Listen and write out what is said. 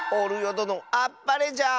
どのあっぱれじゃ！